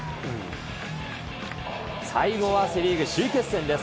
最後はセ・リーグ首位決戦です。